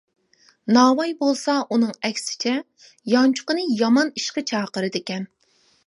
ناۋاي بولسا ئۇنىڭ ئەكسىچە، يانچۇقچىنى يامان ئىشقا چاقىرىدىكەن.